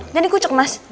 jangan dikucuk mas